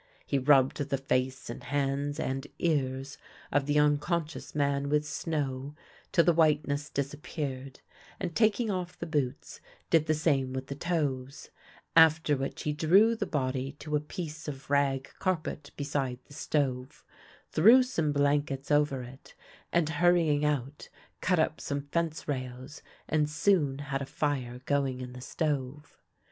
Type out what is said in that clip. He rubbed the face and hands and ears of the unconscious man with snow till the whiteness disappeared, and taking off the boots, did the same with the toes; after which he drew the body to a piece of rag carpet beside the stove, threw some blankets over it, and, hurrying out, cut up some fence rails, and soon had a fire going in the stove.